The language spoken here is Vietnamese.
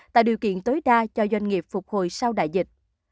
tạo điều kiện tối đa cho doanh nghiệp phục hồi sau đại dịch